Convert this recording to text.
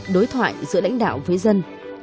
đối thoại giữa lãnh đạo với dân